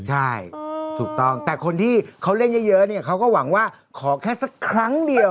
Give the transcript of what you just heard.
ใช่ถูกต้องแต่คนที่เขาเล่นเยอะเนี่ยเขาก็หวังว่าขอแค่สักครั้งเดียว